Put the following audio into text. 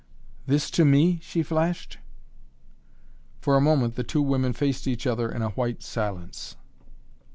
"This to me?" she flashed. For a moment the two women faced each other in a white silence.